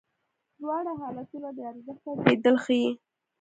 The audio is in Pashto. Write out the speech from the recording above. دواړه حالتونه بې ارزښته کېدل ښیې.